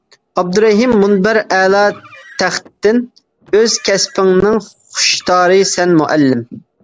ئابدۇرېھىم، مۇنبەر ئەلا تەختتىن، ئۆز كەسپىڭنىڭ خۇشتارى سەن، مۇئەللىم.